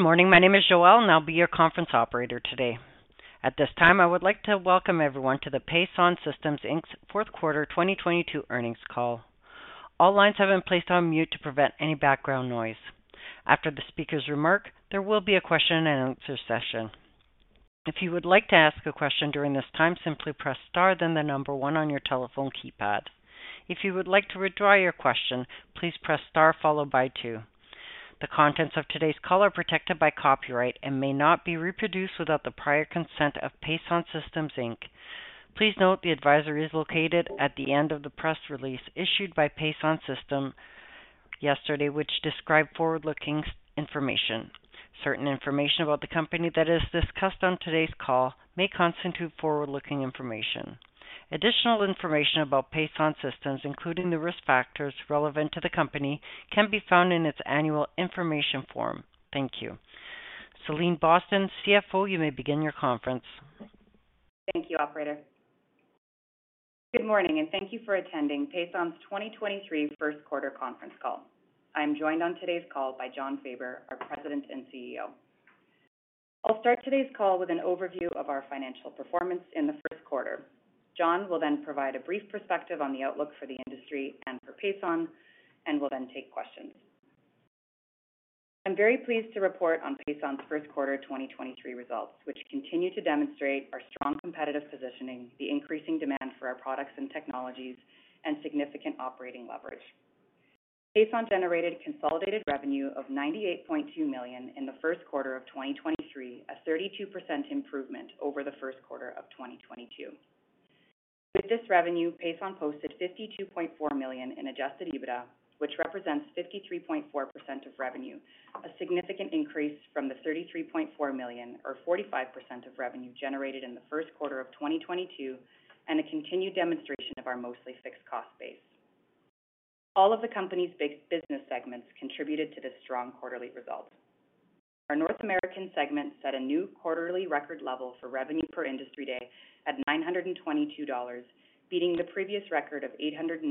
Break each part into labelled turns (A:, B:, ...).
A: Good morning. My name is Joelle, I'll be your conference operator today. At this time, I would like to welcome everyone to the Pason Systems Inc's fourth quarter 2022 earnings call. All lines have been placed on mute to prevent any background noise. After the speaker's remark, there will be a question and answer session. If you would like to ask a question during this time, simply press Star, then the number one on your telephone keypad. If you would like to withdraw your question, please press Star followed by two. The contents of today's call are protected by copyright and may not be reproduced without the prior consent of Pason Systems Inc. Please note the advisory is located at the end of the press release issued by Pason Systems yesterday, which described forward-looking information. Certain information about the company that is discussed on today's call may constitute forward-looking information. Additional information about Pason Systems, including the risk factors relevant to the company, can be found in its annual information form. Thank you. Celine Boston, CFO, you may begin your conference.
B: Thank you, operator. Good morning, thank you for attending Pason's 2023 first quarter conference call. I'm joined on today's call by Jon Faber, our President and CEO. I'll start today's call with an overview of our financial performance in the first quarter. Jon will then provide a brief perspective on the outlook for the industry and for Pason, and we'll then take questions. I'm very pleased to report on Pason's first quarter 2023 results, which continue to demonstrate our strong competitive positioning, the increasing demand for our products and technologies, and significant operating leverage. Pason generated consolidated revenue of 98.2 million in the first quarter of 2023, a 32% improvement over the first quarter of 2022. With this revenue, Pason posted 52.4 million in adjusted EBITDA, which represents 53.4% of revenue, a significant increase from the 33.4 million or 45% of revenue generated in the first quarter of 2022 and a continued demonstration of our mostly fixed cost base. All of the company's big business segments contributed to this strong quarterly result. Our North American segment set a new quarterly record level for revenue per industry day at $922, beating the previous record of $890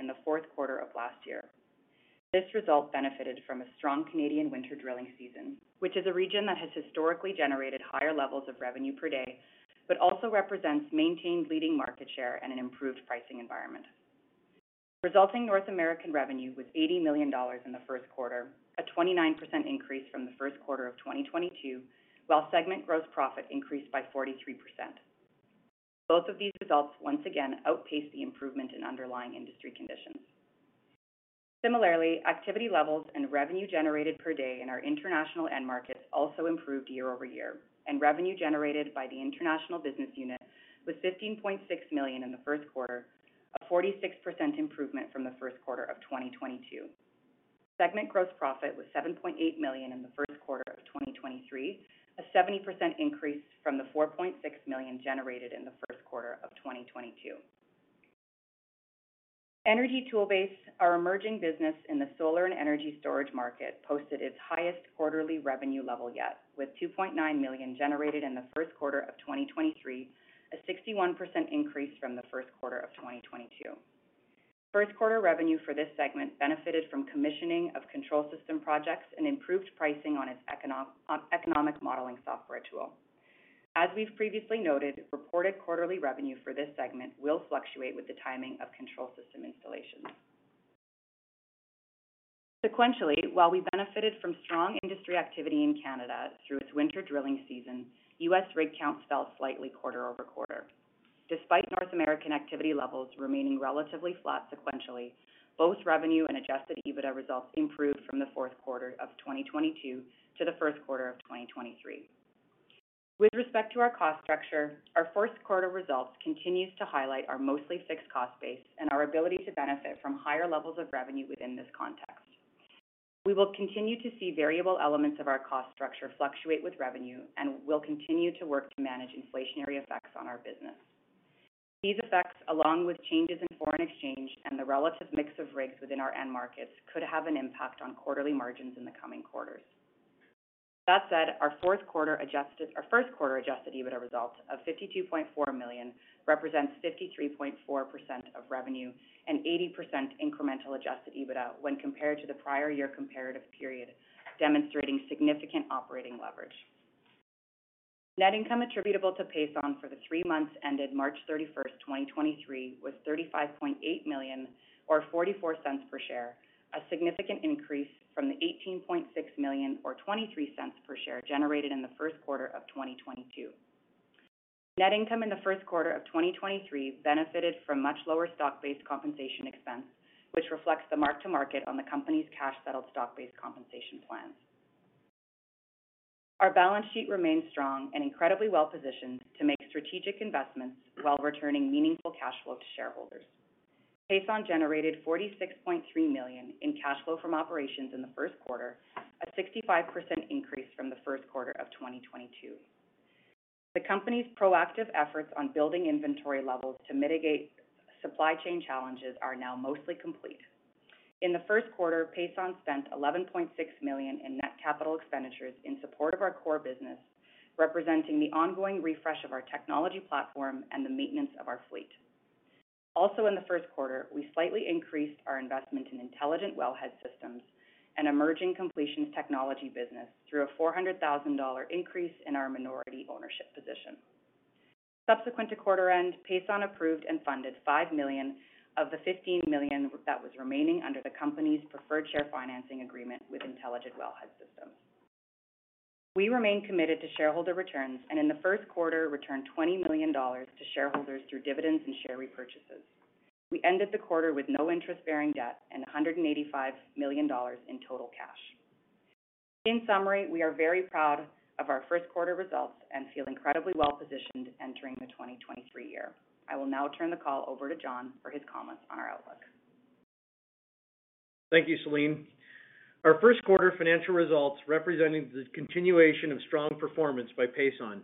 B: in the fourth quarter of last year. This result benefited from a strong Canadian winter drilling season, which is a region that has historically generated higher levels of revenue per day but also represents maintained leading market share and an improved pricing environment. Resulting North American revenue was 80 million dollars in the first quarter, a 29% increase from the first quarter of 2022, while segment gross profit increased by 43%. Both of these results once again outpaced the improvement in underlying industry conditions. Similarly, activity levels and revenue generated per day in our international end markets also improved year-over-year, and revenue generated by the international business unit was 15.6 million in the first quarter, a 46% improvement from the first quarter of 2022. Segment gross profit was 7.8 million in the first quarter of 2023, a 70% increase from the 4.6 million generated in the first quarter of 2022. Energy Toolbase, our emerging business in the solar and energy storage market, posted its highest quarterly revenue level yet, with 2.9 million generated in the first quarter of 2023, a 61% increase from the first quarter of 2022. First quarter revenue for this segment benefited from commissioning of control system projects and improved pricing on its economic modeling software tool. As we've previously noted, reported quarterly revenue for this segment will fluctuate with the timing of control system installations. While we benefited from strong industry activity in Canada through its winter drilling season, U.S. rig counts fell slightly quarter-over-quarter. Despite North American activity levels remaining relatively flat sequentially, both revenue and adjusted EBITDA results improved from the fourth quarter of 2022 to the first quarter of 2023. With respect to our cost structure, our first quarter results continues to highlight our mostly fixed cost base and our ability to benefit from higher levels of revenue within this context. We will continue to see variable elements of our cost structure fluctuate with revenue, and we'll continue to work to manage inflationary effects on our business. These effects, along with changes in foreign exchange and the relative mix of rigs within our end markets, could have an impact on quarterly margins in the coming quarters. That said, our first quarter adjusted EBITDA results of 52.4 million represents 53.4% of revenue and 80% incremental adjusted EBITDA when compared to the prior year comparative period, demonstrating significant operating leverage. Net income attributable to Pason for the 3 months ended March 31st, 2023, was 35.8 million or 0.44 per share, a significant increase from the 18.6 million or 0.23 per share generated in the first quarter of 2022. Net income in the first quarter of 2023 benefited from much lower stock-based compensation expense, which reflects the mark-to-market on the company's cash-settled stock-based compensation plans. Our balance sheet remains strong and incredibly well-positioned to make strategic investments while returning meaningful cash flow to shareholders. Pason generated 46.3 million in cash flow from operations in the first quarter, a 65% increase from the first quarter of 2022. The company's proactive efforts on building inventory levels to mitigate supply chain challenges are now mostly complete. In the first quarter, Pason spent 11.6 million in net capital expenditures in support of our core business, representing the ongoing refresh of our technology platform and the maintenance of our fleet. In the first quarter, we slightly increased our investment in Intelligent Wellhead Systems, an emerging completions technology business, through a 400,000 dollar increase in our minority ownership position. Subsequent to quarter end, Pason approved and funded 5 million of the 15 million that was remaining under the company's preferred share financing agreement with Intelligent Wellhead Systems. We remain committed to shareholder returns and in the first quarter, returned 20 million dollars to shareholders through dividends and share repurchases. We ended the quarter with no interest-bearing debt and 185 million dollars in total cash. In summary, we are very proud of our first quarter results and feel incredibly well-positioned entering the 2023 year. I will now turn the call over to Jon for his comments on our outlook.
C: Thank you, Celine. Our first quarter financial results representing the continuation of strong performance by Pason.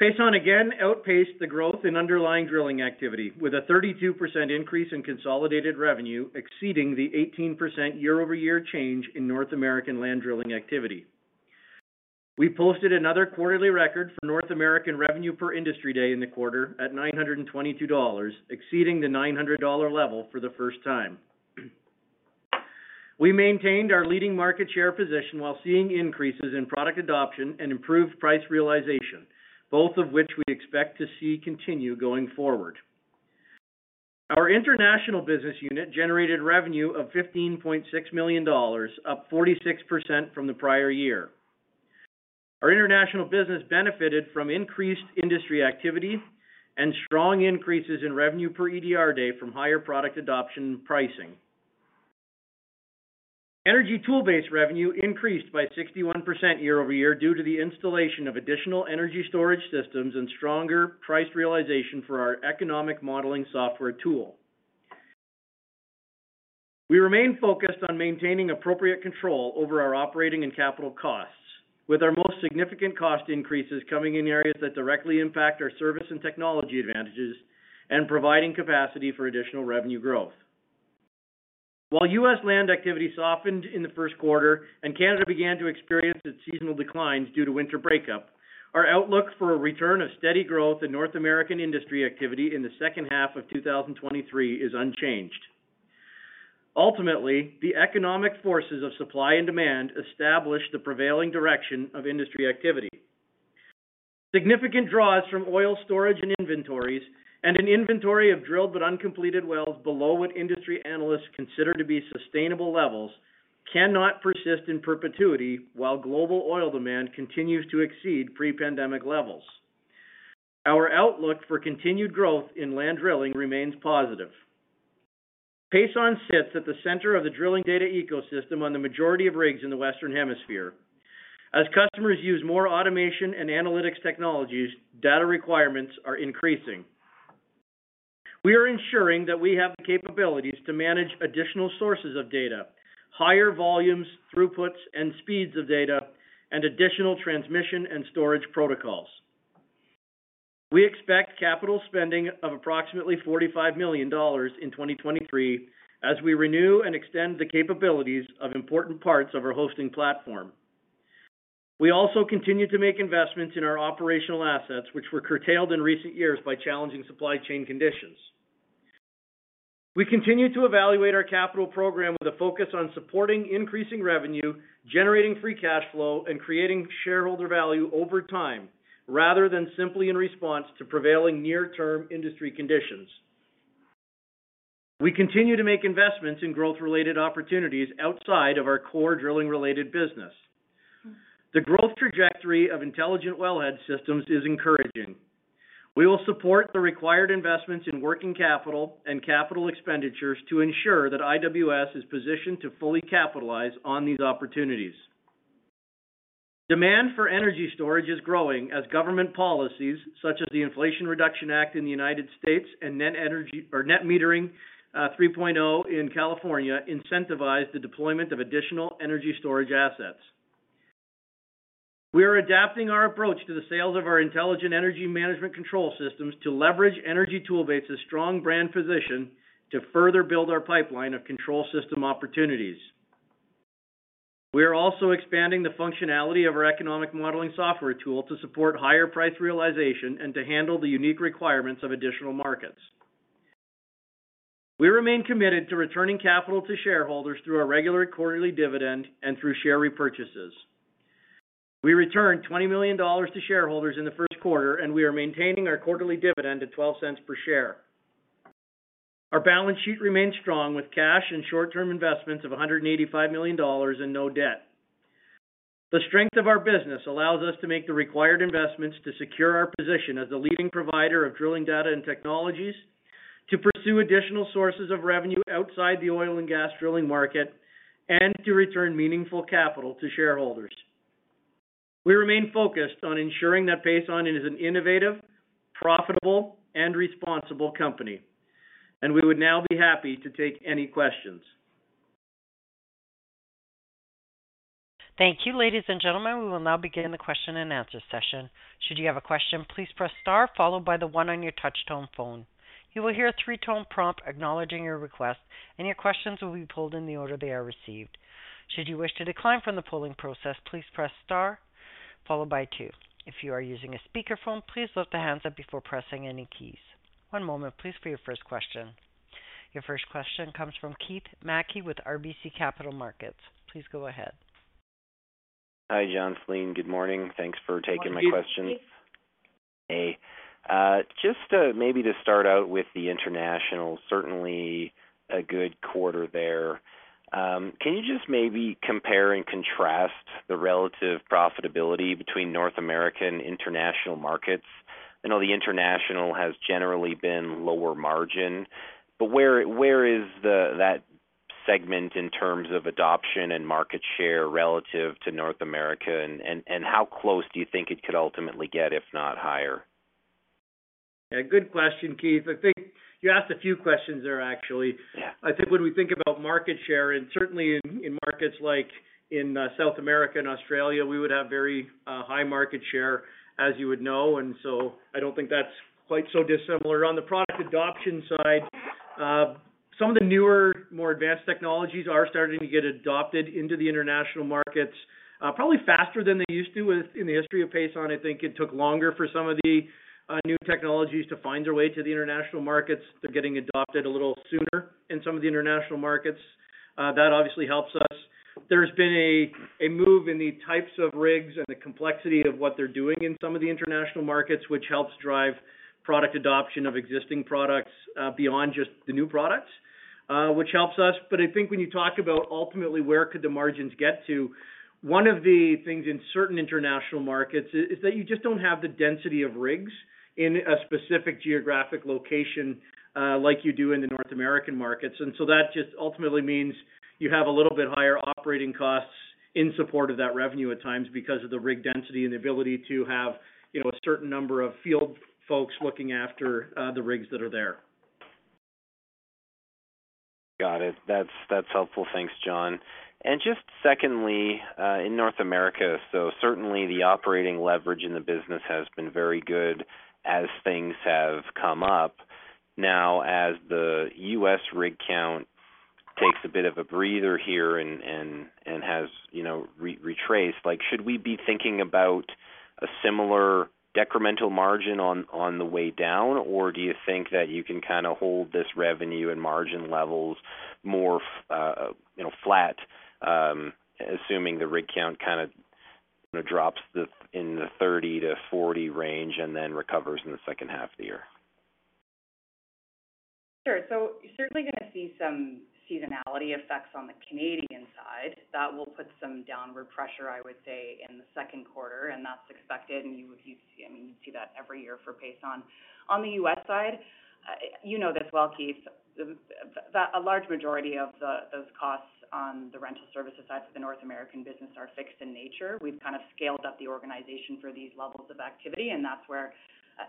C: Pason again outpaced the growth in underlying drilling activity with a 32% increase in consolidated revenue, exceeding the 18% year-over-year change in North American land drilling activity. We posted another quarterly record for North American revenue per industry day in the quarter at $922, exceeding the $900 level for the first time. We maintained our leading market share position while seeing increases in product adoption and improved price realization, both of which we expect to see continue going forward. Our international business unit generated revenue of $15.6 million, up 46% from the prior year. Our international business benefited from increased industry activity and strong increases in revenue per EDR day from higher product adoption pricing. Energy Toolbase revenue increased by 61% year-over-year due to the installation of additional energy storage systems and stronger price realization for our economic modeling software tool. We remain focused on maintaining appropriate control over our operating and capital costs. With our most significant cost increases coming in areas that directly impact our service and technology advantages and providing capacity for additional revenue growth. While U.S. land activity softened in the first quarter and Canada began to experience its seasonal declines due to winter breakup, our outlook for a return of steady growth in North American industry activity in the second half of 2023 is unchanged. Ultimately, the economic forces of supply and demand establish the prevailing direction of industry activity. Significant draws from oil storage and inventories and an inventory of drilled but uncompleted wells below what industry analysts consider to be sustainable levels cannot persist in perpetuity while global oil demand continues to exceed pre-pandemic levels. Our outlook for continued growth in land drilling remains positive. Pason sits at the center of the drilling data ecosystem on the majority of rigs in the Western Hemisphere. As customers use more automation and analytics technologies, data requirements are increasing. We are ensuring that we have the capabilities to manage additional sources of data, higher volumes, throughputs, and speeds of data, and additional transmission and storage protocols. We expect capital spending of approximately 45 million dollars in 2023 as we renew and extend the capabilities of important parts of our hosting platform. We also continue to make investments in our operational assets which were curtailed in recent years by challenging supply chain conditions. We continue to evaluate our capital program with a focus on supporting increasing revenue, generating free cash flow, and creating shareholder value over time rather than simply in response to prevailing near-term industry conditions. We continue to make investments in growth-related opportunities outside of our core drilling-related business. The growth trajectory of Intelligent Wellhead Systems is encouraging. We will support the required investments in working capital and capital expenditures to ensure that IWS is positioned to fully capitalize on these opportunities. Demand for energy storage is growing as government policies such as the Inflation Reduction Act in the United States and or net metering 3.0 in California incentivize the deployment of additional energy storage assets. We are adapting our approach to the sales of our intelligent energy management control systems to leverage Energy Toolbase's strong brand position to further build our pipeline of control system opportunities. We are also expanding the functionality of our economic modeling software tool to support higher price realization and to handle the unique requirements of additional markets. We remain committed to returning capital to shareholders through our regular quarterly dividend and through share repurchases. We returned 20 million dollars to shareholders in the first quarter, and we are maintaining our quarterly dividend at 0.12 per share. Our balance sheet remains strong with cash and short-term investments of 185 million dollars and no debt. The strength of our business allows us to make the required investments to secure our position as a leading provider of drilling data and technologies, to pursue additional sources of revenue outside the oil and gas drilling market, and to return meaningful capital to shareholders. We remain focused on ensuring that Pason is an innovative, profitable, and responsible company, we would now be happy to take any questions.
A: Thank you. Ladies and gentlemen, we will now begin the question and answer session. Should you have a question, please press star followed by one on your touch-tone phone. You will hear a three-tone prompt acknowledging your request, and your questions will be pulled in the order they are received. Should you wish to decline from the polling process, please press star followed by two. If you are using a speakerphone, please lift the hands up before pressing any keys. One moment please for your first question. Your first question comes from Keith Mackey with RBC Capital Markets. Please go ahead.
D: Hi, Jon, Celine. Good morning. Thanks for taking my questions.
C: Good morning, Keith.
D: Just maybe to start out with the international, certainly a good quarter there. Can you just maybe compare and contrast the relative profitability between North American international markets? I know the international has generally been lower margin, but where is that segment in terms of adoption and market share relative to North America and how close do you think it could ultimately get, if not higher?
C: Yeah, good question, Keith. I think you asked a few questions there, actually.
D: Yeah.
C: I think when we think about market share, and certainly in markets like in South America and Australia, we would have very high market share, as you would know. I don't think that's quite so dissimilar. On the product adoption side, some of the newer, more advanced technologies are starting to get adopted into the international markets, probably faster than they used to in the history of Pason. I think it took longer for some of the new technologies to find their way to the international markets. They're getting adopted a little sooner in some of the international markets. That obviously helps us. There's been a move in the types of rigs and the complexity of what they're doing in some of the international markets, which helps drive product adoption of existing products, beyond just the new products, which helps us. I think when you talk about ultimately where could the margins get to, one of the things in certain international markets is that you just don't have the density of rigs in a specific geographic location, like you do in the North American markets. That just ultimately means you have a little bit higher operating costs in support of that revenue at times because of the rig density and the ability to have, you know, a certain number of field folks looking after the rigs that are there.
D: Got it. That's helpful. Thanks, Jon. Just secondly, in North America, certainly the operating leverage in the business has been very good as things have come up. As the US rig count takes a bit of a breather here and has, you know, retraced, like, should we be thinking about a similar decremental margin on the way down? Do you think that you can kinda hold this revenue and margin levels more, you know, flat, assuming the rig count kinda drops this in the 30-40 range and then recovers in the second half of the year?
B: Sure. you're certainly gonna see some seasonality effects on the Canadian side that will put some downward pressure, I would say, in the second quarter, and that's expected. you, I mean, you see that every year for Pason. On the US side, you know this well, Keith, the, that a large majority of the, those costs on the rental services side for the North American business are fixed in nature. We've kind of scaled up the organization for these levels of activity, and that's where,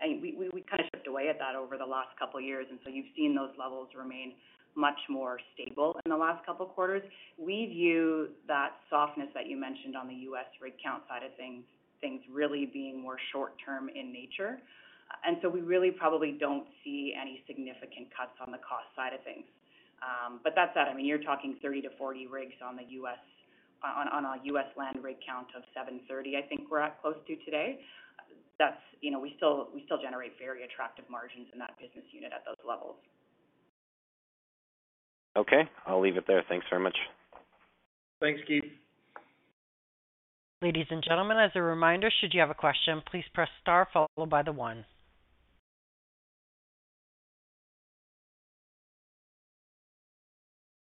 B: and we've kinda chipped away at that over the last couple of years, you've seen those levels remain much more stable in the last couple of quarters. We view that softness that you mentioned on the US rig count side of things really being more short term in nature. We really probably don't see any significant cuts on the cost side of things. But that said, I mean, you're talking 30 to 40 rigs on a U.S. land rig count of 730, I think we're at close to today. That's, you know, we still generate very attractive margins in that business unit at those levels.
D: Okay. I'll leave it there. Thanks very much.
C: Thanks, Keith.
A: Ladies and gentlemen, as a reminder, should you have a question, please press star followed by the one.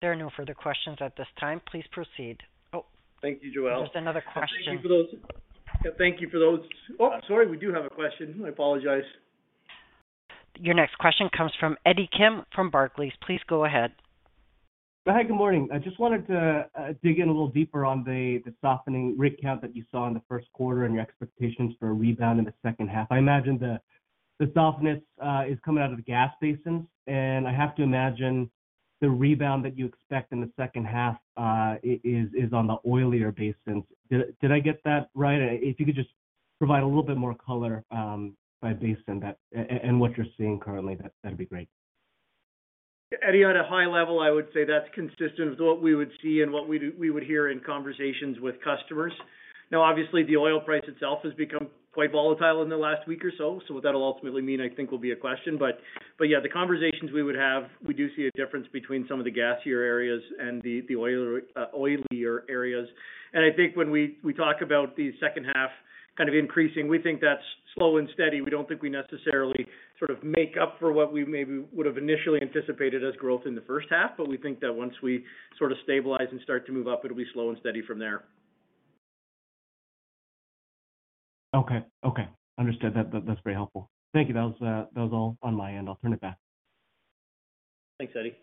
A: There are no further questions at this time. Please proceed. Oh.
C: Thank you, Joelle.
A: There's another question.
C: Yeah, thank you for those. Oh, sorry. We do have a question. I apologize.
A: Your next question comes from Eddie Kim from Barclays. Please go ahead.
E: Hi. Good morning. I just wanted to dig in a little deeper on the softening rig count that you saw in the first quarter and your expectations for a rebound in the second half. I imagine the softness is coming out of the gas basins, and I have to imagine the rebound that you expect in the second half is on the oilier basins. Did I get that right? If you could just provide a little bit more color by basin that-- what you're seeing currently, that'd be great.
C: Eddie, at a high level, I would say that's consistent with what we would see and what we would hear in conversations with customers. Obviously, the oil price itself has become quite volatile in the last week or so. What that'll ultimately mean, I think, will be a question. But yeah, the conversations we would have, we do see a difference between some of the gassier areas and the oilier areas. I think when we talk about the second half kind of increasing, we think that's slow and steady. We don't think we necessarily sort of make up for what we maybe would have initially anticipated as growth in the first half. We think that once we sort of stabilize and start to move up, it'll be slow and steady from there.
E: Okay. Okay. Understood. That's very helpful. Thank you. That was all on my end. I'll turn it back.
C: Thanks, Eddie.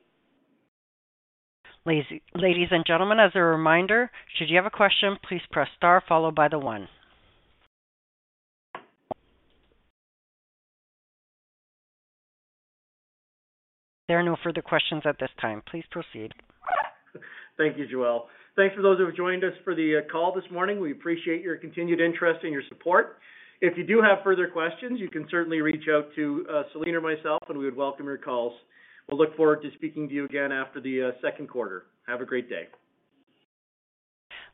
A: Ladies and gentlemen, as a reminder, should you have a question, please press star followed by the one. There are no further questions at this time. Please proceed.
C: Thank you, Joelle. Thanks for those who have joined us for the call this morning. We appreciate your continued interest and your support. If you do have further questions, you can certainly reach out to Celine or myself, and we would welcome your calls. We'll look forward to speaking to you again after the second quarter. Have a great day.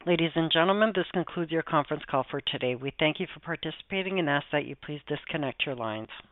A: Ladies and gentlemen, this concludes your conference call for today. We thank you for participating and ask that you please disconnect your lines.